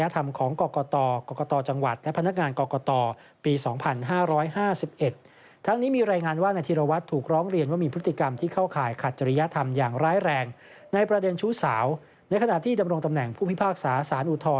ตำรวงตำแหน่งผู้พิพากษาสารอุทรต่อเนื่องมาถึงตำแหน่งกต